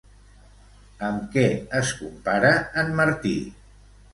Amb què es compara en Martí?